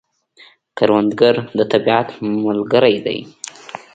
کروندګر د طبیعت ملګری دی